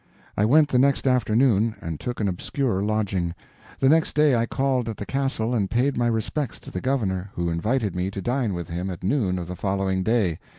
I went the next afternoon, and took an obscure lodging; the next day I called at the castle and paid my respects to the governor, who invited me to dine with him at noon of the following day.